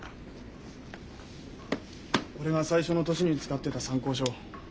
俺が最初の年に使ってた参考書。